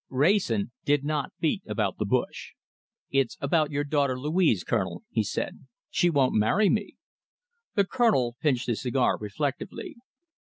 Wrayson did not beat about the bush. "It's about your daughter Louise, Colonel," he said. "She won't marry me!" The Colonel pinched his cigar reflectively.